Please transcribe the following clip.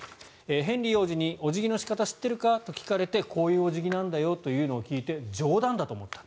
ヘンリー王子にお辞儀の仕方を知っているか？と聞かれてこういうお辞儀なんだよというのを聞いて冗談だと思った。